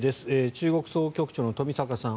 中国総局長の冨坂さん